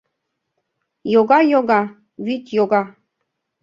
Йога-йога, вӱд йога